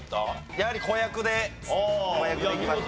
やはり子役で子役でいきました。